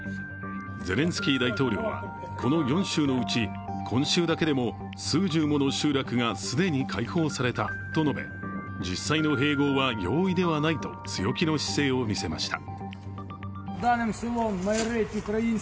ゼレンスキー大統領は、この４州のうち、今週だけでも数十もの集落が既に解放されたと述べ実際の併合は容易ではないと強気の姿勢を見せました。